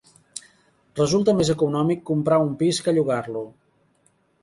Resulta més econòmic comprar un pis que llogar-lo